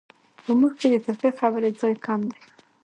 په موږ کې د ترخې خبرې ځای کم دی.